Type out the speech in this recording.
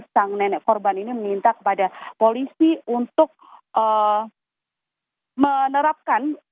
sang nenek korban ini meminta kepada polisi untuk menerapkan